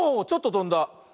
ちょっととんだ。